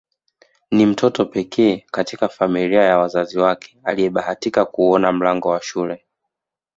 Ni mtoto pekee katika familia ya wazazi wake aliyebahatika kuuona mlango wa shule